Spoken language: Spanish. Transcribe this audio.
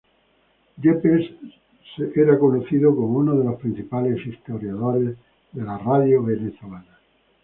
Yepes fue conocido como uno de los principales historiadores de la radio venezolana.